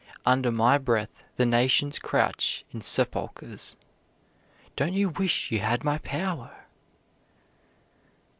Under my breath the nations crouch in sepulchers. Don't you wish you had my power?"